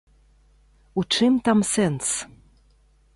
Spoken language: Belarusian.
У чым там сэнс?